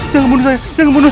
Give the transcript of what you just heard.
jangan bunuh saya jangan bunuh